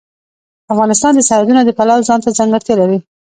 افغانستان د سرحدونه د پلوه ځانته ځانګړتیا لري.